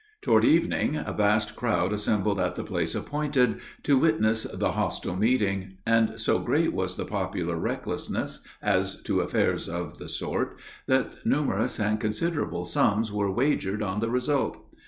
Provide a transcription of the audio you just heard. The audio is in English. Toward evening a vast crowd assembled at the place appointed to witness the hostile meeting; and so great was the popular recklessness as to affairs of the sort, that numerous and considerable sums were wagered on the result.